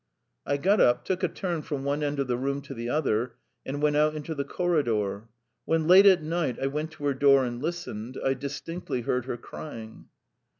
I got up, took a turn from one end of the room to the other, and went out into the corridor. When late at night I went to her door and listened, I distinctly heard her crying.